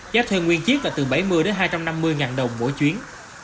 giá thuê nguyên chiếc là từ bảy mươi đến hai trăm năm mươi ngàn đồng mỗi chuyến